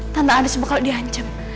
tante anis bakal dihancam